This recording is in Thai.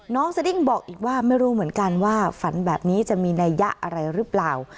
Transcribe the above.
สดิ้งบอกอีกว่าไม่รู้เหมือนกันว่าฝันแบบนี้จะมีนัยยะอะไรหรือเปล่า